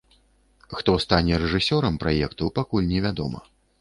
Хто стане рэжысёрам праекту, пакуль не вядома.